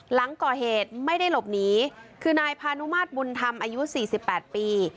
หลังก่อเหตุไม่ได้หลบหนีคือนายพานุมาตรบุญธรรมอายุ๔๘ปี